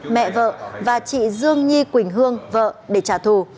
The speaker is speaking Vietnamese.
mẹ vợ và chị dương nhi quỳnh hương vợ để trả thù